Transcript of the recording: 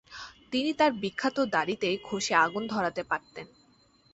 তিনি তার বিখ্যাত দাড়িতে ঘষে আগুন ধরাতে পারতেন।